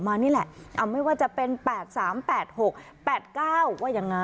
มาว่านี่แหละอ้าวไม่ว่าจะเป็น๘๓๘๖๘๙ว่าอย่างนั้น